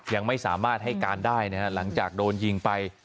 ยังไม่สามารถให้การได้นะครับหลังจากโดนยิงไป